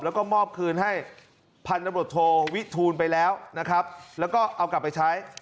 แล้วก็มอบคืนให้พันธุ์ตำรวจโทรวิทูลไปแล้วแล้วก็เอากลับไปใช้